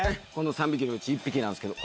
３匹のうちの１匹なんすけど。